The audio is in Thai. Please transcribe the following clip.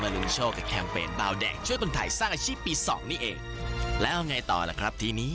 เยี่ยมครับ